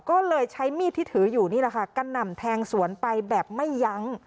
ก็เลยใช้มีดที่ถืออยู่นี่แหละค่ะกระหน่ำแทงสวนไปแบบไม่ยั้ง